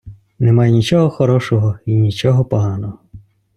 Немає нічого хорошого й нічого поганого.